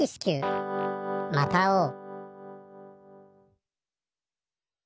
また会おう。